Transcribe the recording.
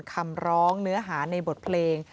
ขอเพียงเชื่อมัน